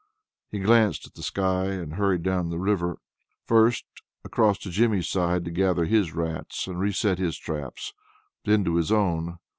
He glanced at the sky, and hurried down the river. First across to Jimmy's side to gather his rats and reset his traps, then to his own.